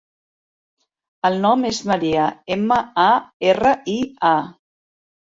El nom és Maria: ema, a, erra, i, a.